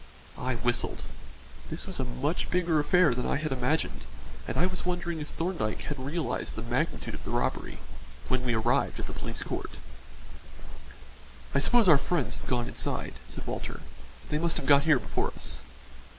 I whistled. This was a much bigger affair than I had imagined, and I was wondering if Thorndyke had realised the magnitude of the robbery, when we arrived at the police court. "I suppose our friends have gone inside," said Walter. "They must have got here before us."